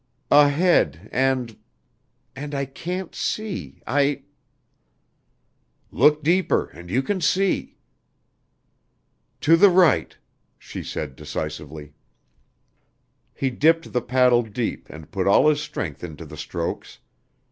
"Ahead and and I can't see, I " "Look deeper and you can see." "To the right," she said decisively. He dipped the paddle deep and put all his strength into the strokes.